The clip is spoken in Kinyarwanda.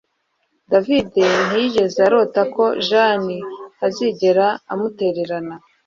David ntiyigeze arota ko Jane azigera amutererana